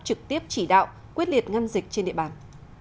trực tiếp chỉ đạo quyết liệt ngăn dịch trên địa bàn